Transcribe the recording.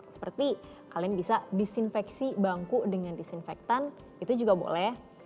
seperti kalian bisa disinfeksi bangku dengan disinfektan itu juga boleh